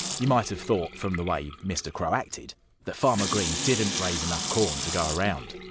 You might have thought, from the way Mr. Crow acted, that Farmer Green didn't raise enough corn to go around.